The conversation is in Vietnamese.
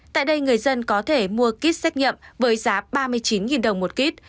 tại đây người dân có thể mua kít xét nghiệm với giá ba mươi chín đồng một kít